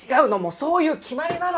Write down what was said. そういう決まりなの！